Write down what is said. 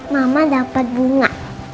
mama dapet bunga